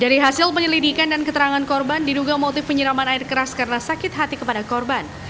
dari hasil penyelidikan dan keterangan korban diduga motif penyiraman air keras karena sakit hati kepada korban